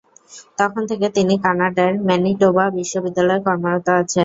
তখন থেকে তিনি কানাডার ম্যানিটোবা বিশ্ববিদ্যালয়ে কর্মরত আছেন।